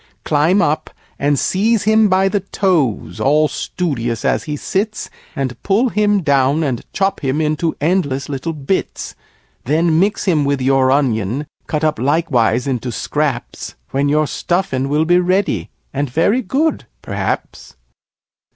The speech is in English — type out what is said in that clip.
Climb up, and seize him by the toes, all studious as he sits, And pull him down, and chop him into endless little bits! Then mix him with your Onion (cut up likewise into Scraps), When your Stuffin' will be ready, and very good perhaps."